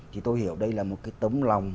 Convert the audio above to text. thì tôi hiểu đây là một cái tấm lòng